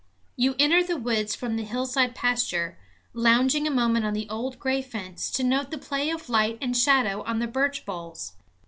You enter the woods from the hillside pasture, lounging a moment on the old gray fence to note the play of light and shadow on the birch bolls.